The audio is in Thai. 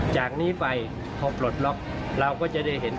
จากนี้ไปพอปลดล็อกเราก็จะได้เห็น